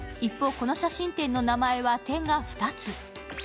一方、この写真展の名前は点が２つ。